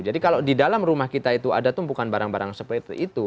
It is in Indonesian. jadi kalau di dalam rumah kita itu ada tumpukan barang barang seperti itu